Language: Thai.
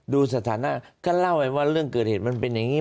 ดูสถานะก็เล่าว่าเรื่องเกิดเหตุมันเป็นอย่างนี้